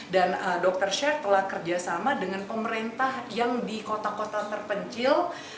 dan dokter sher telah kerjasama dengan pemerintah yang di kota kota terpencil